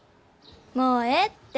もうええって。